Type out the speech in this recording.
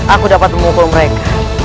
aku dapat memukul mereka